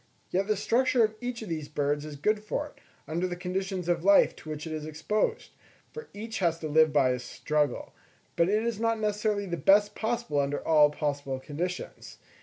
Yet the structure of each of these birds is good for it, under the conditions of life to which it is exposed, for each has to live by a struggle: but it is not necessarily the best possible under all possible conditions.